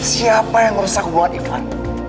siapa yang merusak buat ivan